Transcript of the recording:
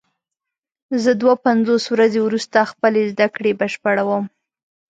زه دوه پنځوس ورځې وروسته خپلې زده کړې بشپړوم.